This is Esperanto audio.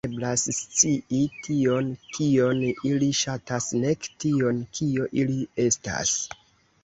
Ne eblas scii tion, kion ili ŝatas, nek tion, kio ili estas.